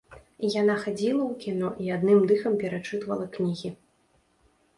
Яна хадзіла ў кіно і адным дыхам перачытвала кнігі.